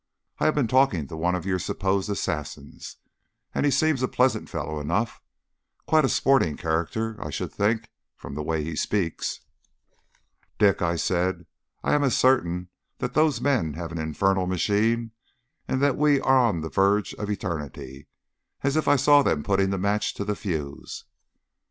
I have been talking to one of your supposed assassins, and he seems a pleasant fellow enough; quite a sporting character, I should think, from the way he speaks." "Dick," I said, "I am as certain that those men have an infernal machine, and that we are on the verge of eternity, as if I saw them putting the match to the fuse."